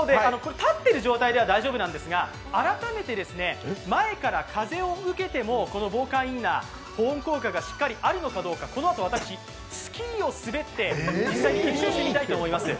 立っている状態では大丈夫なんですが、改めて前から風を受けても、防寒インナー保温効果がしっかりあるのかどうか、このあと私、スキーを滑って実際に検証してみたいと思います。